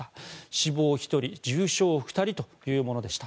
死亡１人重傷２人というものでした。